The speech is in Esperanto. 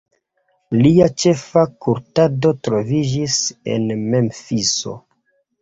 Lia ĉefa kultado troviĝis en Memfiso.